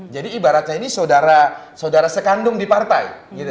jadi ibaratnya ini saudara sekandung di partai